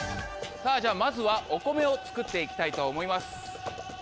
さぁじゃあまずはお米を作って行きたいと思います。